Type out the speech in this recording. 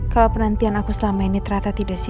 kalau penantian aku selama ini ternyata tidak sia sia